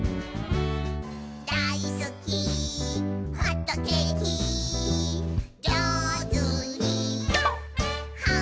「だいすきホットケーキ」「じょうずにはんぶんこ！」